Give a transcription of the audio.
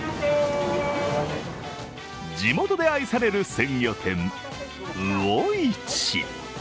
地元で愛される鮮魚店・魚市。